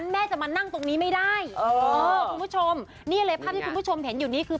ไม่ได้ผู้ชมนึกเลย